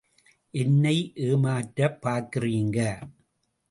என்னை ஏமாற்றப் பார்க்கிறீங்க.